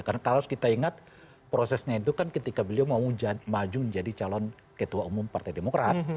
karena kita ingat prosesnya itu kan ketika beliau mau maju menjadi calon ketua umum partai demokrat